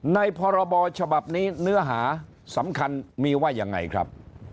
พรบฉบับนี้เนื้อหาสำคัญมีว่ายังไงครับ